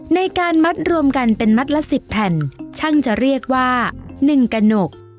ในการมัดรวมกันเป็นมัดละสิบแผ่นช่างจะเรียกว่าหนึ่งกระหนก